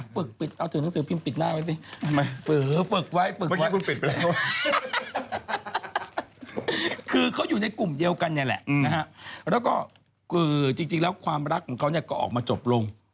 ฝึกไว้ฝึกไว้คือเขาอยู่ในกลุ่มเดียวกันเนี่ยแหละนะฮะแล้วก็คือจริงแล้วความรักของเขาเนี่ยก็ออกมาจบลง